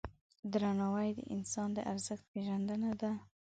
درناوی د انسان د ارزښت پیژندنه ده.